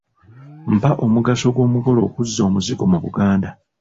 Mpa omugaso gw’omugole okuzza omuzigo mu Buganda.